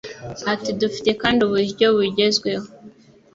Ati dufite kandi uburyo bugezweho